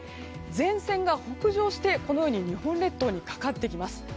前線が北上して、このように日本列島にかかってきます。